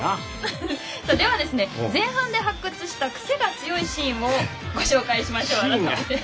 では、前半で発掘したクセが強いシーンをご紹介しましょう。